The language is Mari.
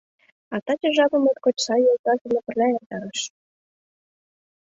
А таче жапым моткоч сай йолташ дене пырля эртарыш.